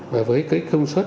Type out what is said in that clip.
và với cái công suất